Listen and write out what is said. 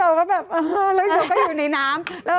แล้วเราก็แบบอัฮ่าเราก็อยู่ในน้ำ